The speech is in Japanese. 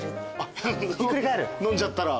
飲んじゃったら。